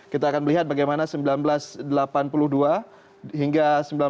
kita akan melihat bagaimana seribu sembilan ratus delapan puluh dua hingga seribu sembilan ratus sembilan puluh